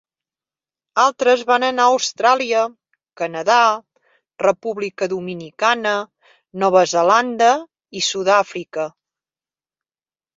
Altres van anar a Austràlia, Canadà, República Dominicana, Nova Zelanda i Sud-àfrica.